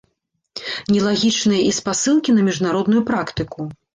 Нелагічныя і спасылкі на міжнародную практыку.